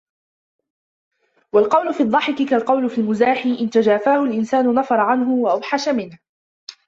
وَالْقَوْلُ فِي الضَّحِكِ كَالْقَوْلِ فِي الْمِزَاحِ إنْ تَجَافَاهُ الْإِنْسَانُ نَفَرَ عَنْهُ وَأَوْحَشَ مِنْهُ